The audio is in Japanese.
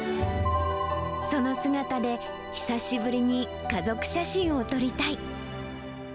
その姿で久しぶりに家族写真を撮りたい。